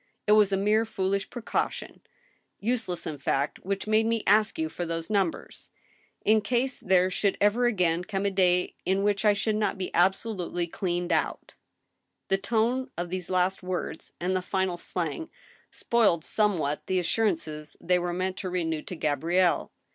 ... It was a mere foolish precaution, ... useless, in fact, which made me ask you for those numbers, ... in case there should ever again come a day in which I should not be absolutely cleaned out The tone of these last words, and the final slang, spoiled some what the assurances they were meant to renew to Gabrielle.